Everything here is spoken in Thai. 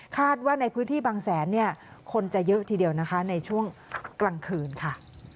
คาดว่าในพื้นที่บางแสนคนจะเยอะทีเดียวในช่วงกลางคืนค่ะ